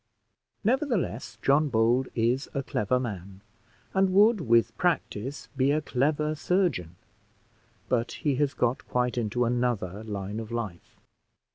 Nevertheless, John Bold is a clever man, and would, with practice, be a clever surgeon; but he has got quite into another line of life.